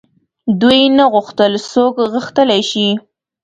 دوی نه غوښتل څوک غښتلي شي.